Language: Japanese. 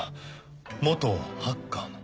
元ハッカーの？